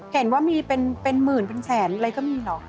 เห็นว่ามีเป็นหมื่นเป็นแสนอะไรก็มีเหรอ